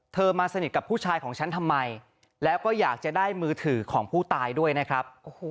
มาสนิทกับผู้ชายของฉันทำไมแล้วก็อยากจะได้มือถือของผู้ตายด้วยนะครับ